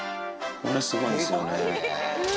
これ、すごいんですよね。